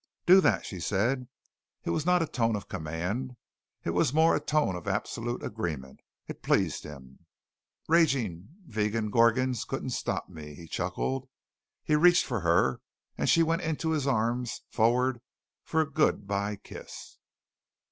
"Do that," she said. It was not a tone of command. It was more a tone of absolute agreement. It pleased him. "Raging Vegan Gorgons couldn't stop me," he chuckled. He reached for her and she went into his arms forward for a good bye kiss.